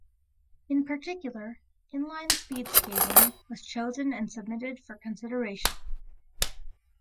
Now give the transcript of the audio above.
In particular, Inline Speedskating was chosen and submitted for consideration.